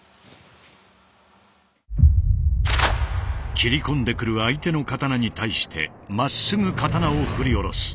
斬り込んでくる相手の刀に対してまっすぐ刀を振り下ろす。